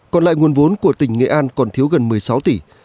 còn lại nguồn vốn của tỉnh nghệ an còn thiếu gần một mươi sáu tỷ